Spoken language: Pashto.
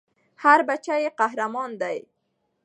هر بــچی ېي قـــهــــــــرمان دی